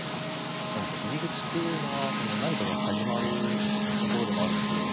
何でしょう「入り口」っていうのは何かが始まるところでもあるので。